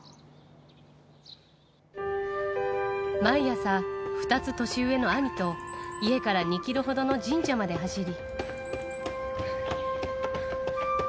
毎朝、２つ年上の兄と、家から２キロほどの神社まで走り。